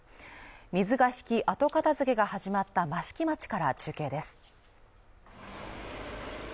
水が引き、後片付けが始まった益城町から中継です。